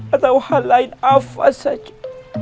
atau hal lain afa saja